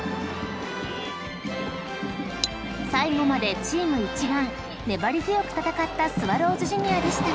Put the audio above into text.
［最後までチーム一丸粘り強く戦ったスワローズジュニアでしたが］